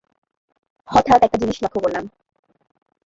হঠাৎ একটা জিনিস লক্ষ করলাম।